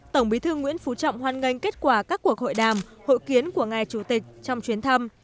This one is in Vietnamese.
tổng bí thư nguyễn phú trọng hoan nghênh kết quả các cuộc hội đàm hội kiến của ngài chủ tịch trong chuyến thăm